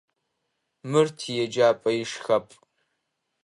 Мыр тиеджапӏэ ишхапӏ.